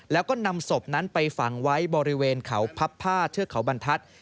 แล้วก็นำศพนั้นไปฝังไว้บริเวณเขาพับผ้าเทือกเขาบรรทัศน์